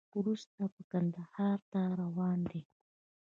وروسته بیا کندهار ته روان دی.